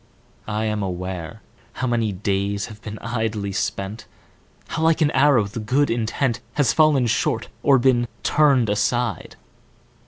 I am aware How many days have been idly spent; How like an arrow the good intent Has fallen short or been turned aside.